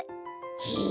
へえ。